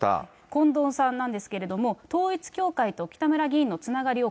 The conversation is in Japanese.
近藤さんなんですけれども、統一教会と北村議員のつながりを